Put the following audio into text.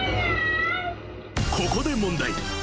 ［ここで問題］